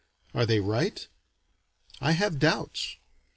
Are they right? I have doubts.